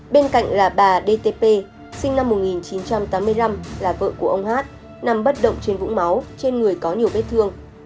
bên cạnh là bà dtp sinh năm một nghìn chín trăm tám mươi năm là vợ của ông hát nằm bất động trên vũng máu trên người có nhiều vết thương